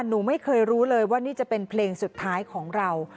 หนูไม่เคยรู้เลยว่านี่จะเป็นเพลงสุดท้ายของเรา